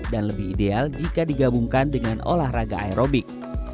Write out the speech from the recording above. dan lebih ideal jika digabungkan dengan olahraga aerobik